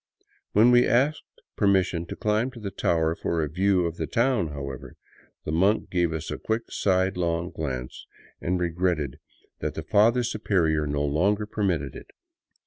When we asked permission to climb to the tower fof a view of the town, however, the monk gave us a quick, sidelong glance and re gretted that the Father Superior no longer permitted it.